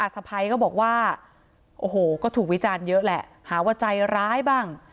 สะพ้ายก็บอกว่าโอ้โหก็ถูกวิจารณ์เยอะแหละหาว่าใจร้ายบ้าง